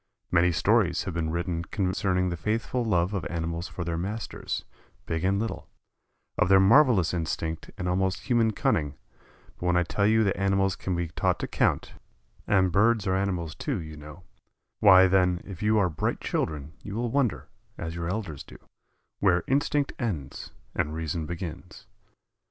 Many stories have been written concerning the faithful love of animals for their masters, big and little, of their marvelous instinct and almost human cunning, but when I tell you that animals can be taught to count and birds are animals, too, you know why, then, if you are bright children you will wonder, as your elders do, where instinct ends and reason begins.